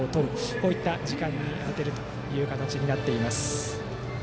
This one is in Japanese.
こういった時間に充てる形になっています。